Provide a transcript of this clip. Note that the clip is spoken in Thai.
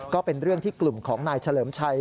ก็เป็นเรื่องที่กลุ่มของนายเฉลิมชัย